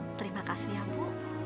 terima kasih ya bu